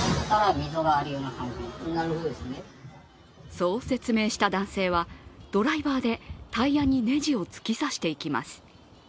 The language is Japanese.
そう説明した男性はドライバーでタイヤにネジを突き刺していきます。